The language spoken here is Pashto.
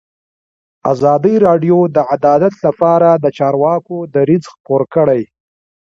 ازادي راډیو د عدالت لپاره د چارواکو دریځ خپور کړی.